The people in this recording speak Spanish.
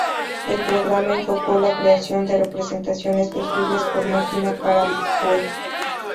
El programa enfocó la creación de representaciones legibles por máquina para el Web.